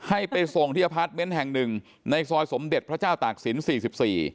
ให้ไปส่งที่อพาร์ทเมนต์แห่งหนึ่งในซอยสมเด็จพระเจ้าตากศิลป์สี่สิบสี่